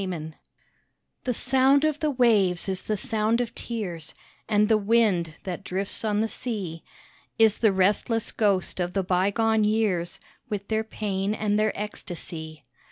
TO —— The sound of the waves is the sound of tears, And the wind that drifts on the sea Is the restless ghost of the bygone years, With their pain and their ecstasy.